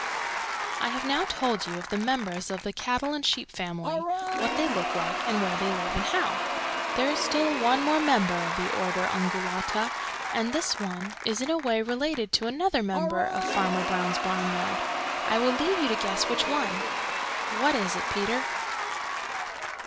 "I have now told you of the members of the cattle and Sheep family, what they look like and where they live and how. There is still one more member of the order Ungulata and this one is in a way related to another member of Farmer Brown's barnyard. I will leave you to guess which one. What is it, Peter?"